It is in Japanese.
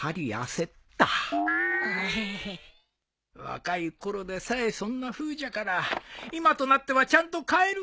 若いころでさえそんなふうじゃから今となってはちゃんと買えるかどうか。